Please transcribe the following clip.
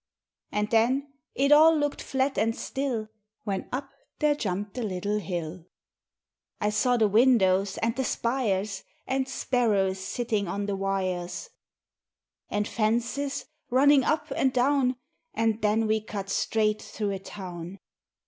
And then it all looked flat and still, When up there jumped a little hill! I saw the windows and the spires, And sparrows sitting on the wires; And fences, running up and down; And then we cut straight through a town.